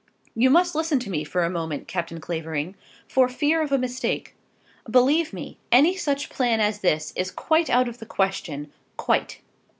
You must listen to me for a moment, Captain Clavering for fear of a mistake. Believe me, any such plan as this is quite out of the question; quite."